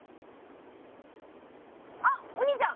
あっお兄ちゃん